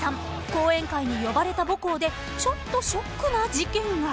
［講演会に呼ばれた母校でちょっとショックな事件が］